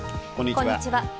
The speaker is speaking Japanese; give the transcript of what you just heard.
こんにちは。